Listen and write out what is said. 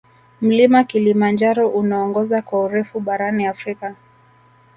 mlima kilimanjaro unaongoza kwa urefu barani afrika